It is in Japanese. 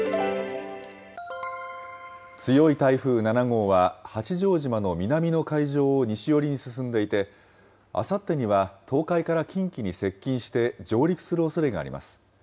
強い台風７号は、八丈島の南の海上を西寄りに進んでいて、あさってには東海から近畿に接近して、上陸するおそれがあります。